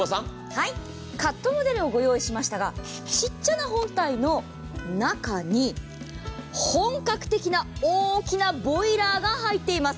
カットモデルをご用意しましたが、ちっちゃな本体の中に、本格的な大きなボイラーが入っています。